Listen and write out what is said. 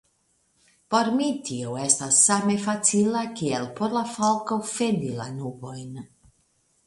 Por mi tio estas same facila kiel por la falko fendi la nubojn.